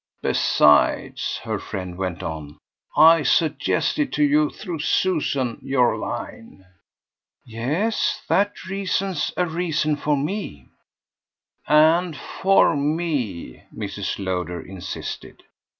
"Besides," her friend went on, "I suggested to you, through Susan, your line." "Yes, that reason's a reason for ME." "And for ME," Mrs. Lowder insisted.